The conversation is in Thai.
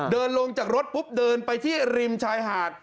เดินลงจากรถปุ๊บเดินไปที่ริมชายหาด